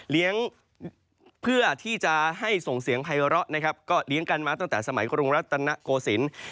เลี้ยงเพื่อที่จะให้ส่งเสียงไพร่อเลี้ยงกันมาตั้งแต่สมัยกรุงรัฐตนโกสินทร์